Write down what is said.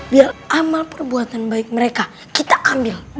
biar amal perbuatan baik mereka kita ambil